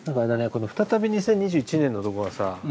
この「再び２０２１年」のとこがさ